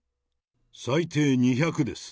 最低２００です。